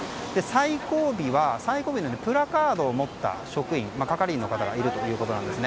最後尾はプラカードを持った職員係員の方がいるということです。